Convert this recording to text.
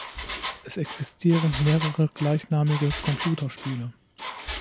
Es existieren mehrere gleichnamige Computerspiele.